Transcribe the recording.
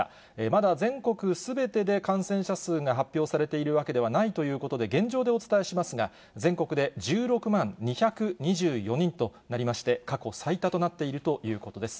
まだ全国すべてで感染者数が発表されているわけではないということで、現状でお伝えしますが、全国で１６万２２４人となりまして、過去最多となっているということです。